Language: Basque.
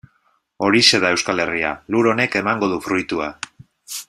Horixe da Euskal Herria, lur honek emango du fruitua.